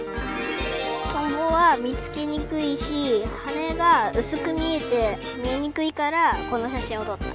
トンボはみつけにくいしはねがうすくみえてみえにくいからこのしゃしんをとった。